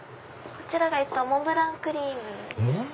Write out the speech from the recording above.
こちらがモンブランクリーム。